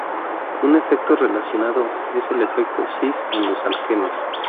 Un efecto relacionado es el efecto "cis" en los alquenos.